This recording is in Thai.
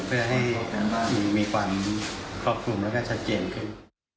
เพื่อให้มีความครอบคลุมและชัดเจนขึ้น